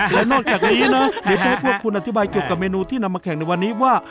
และนอกจากนี้นะเดี๋ยวจะให้พวกคุณอธิบายเกี่ยวกับเมนูที่นำมาแข่งในวันนี้ว่า